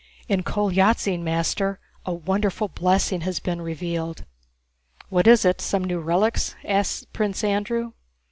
"In Kolyázin, master, a wonderful blessing has been revealed." "What is it? Some new relics?" asked Prince Andrew.